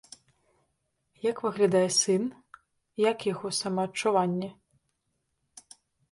Як выглядае сын, як яго самаадчуванне?